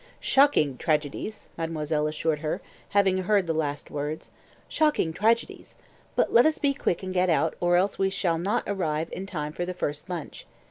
"Shocking tragedies!" mademoiselle assured her, having heard the last words. "Shocking tragedies! But let us be quick and get out, or else we shall not arrive in time for the first lunch.